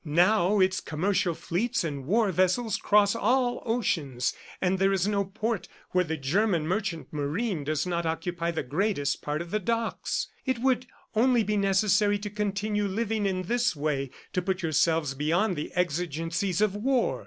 Now its commercial fleets and war vessels cross all oceans, and there is no port where the German merchant marine does not occupy the greatest part of the docks. It would only be necessary to continue living in this way, to put yourselves beyond the exigencies of war!